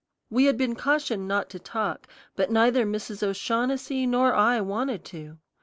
We had been cautioned not to talk, but neither Mrs. O'Shaughnessy nor I wanted to.